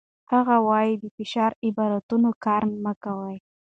هغه وايي، د فشار عبارتونه کار مه کوئ.